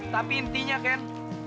tapi intinya ken